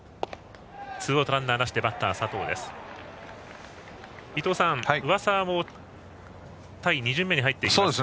ツーアウト、ランナーなしでバッターは佐藤です。